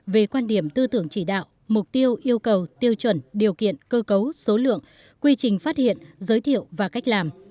về quan điểm tư tưởng chỉ đạo mục tiêu yêu cầu tiêu chuẩn điều kiện cơ cấu số lượng quy trình phát hiện giới thiệu và cách làm